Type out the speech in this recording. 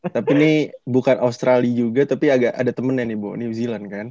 tapi ini bukan australia juga tapi agak ada temennya nih bu new zealand kan